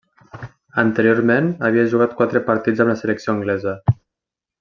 Anteriorment havia jugat quatre partits amb la selecció anglesa.